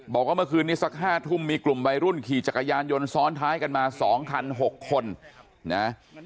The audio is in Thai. บอกว่าเมื่อคืนนี้สัก๕ทุ่มมีกลุ่มวัยรุ่นขี่จักรยานยนต์ซ้อนท้ายกันมา๒คัน๖คนนะ